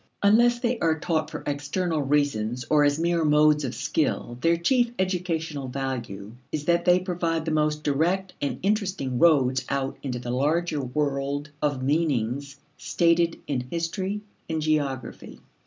Unless they are taught for external reasons or as mere modes of skill their chief educational value is that they provide the most direct and interesting roads out into the larger world of meanings stated in history and geography.